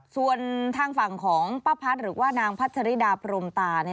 ส่วนทางฝั่งของป้าพัฒน์หรือว่านางพัชริดาพรมตา